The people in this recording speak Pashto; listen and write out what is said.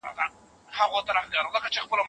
موږ خطونه رسموو.